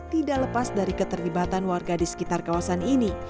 tidak lepas dari keterlibatan warga di sekitar kawasan ini